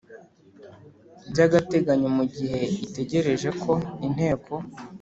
by agateganyo mu gihe itegereje ko Inteko